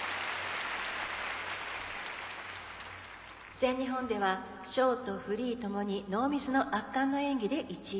全日本ではショート、フリー共にノーミスの圧巻の演技で１位。